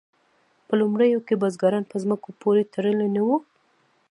په لومړیو کې بزګران په ځمکو پورې تړلي نه وو.